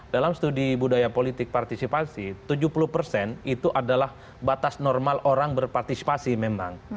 dalam studi budaya politik partisipasi tujuh puluh persen itu adalah batas normal orang berpartisipasi memang